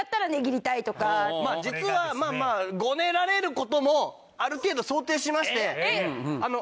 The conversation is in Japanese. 実はまあまあごねられる事もある程度想定しましてあの。